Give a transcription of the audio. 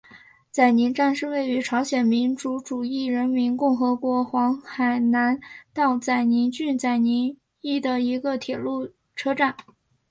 载宁站是位于朝鲜民主主义人民共和国黄海南道载宁郡载宁邑的一个铁路车站。